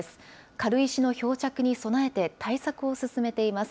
軽石の漂着に備えて、対策を進めています。